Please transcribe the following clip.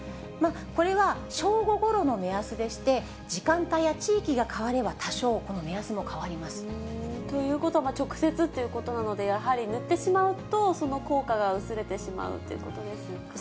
これは正午ごろの目安でして、時間帯や地域が変われば多少、ということは、直接ということなので、やはり塗ってしまうと、その効果が薄れてしまうということですかね。